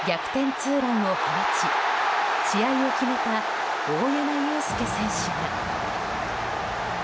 ツーランを放ち試合を決めた大山悠輔選手が。